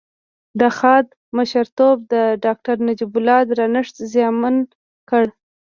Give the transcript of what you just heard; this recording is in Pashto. د خاد مشرتوب د داکتر نجيب الله درنښت زیانمن کړ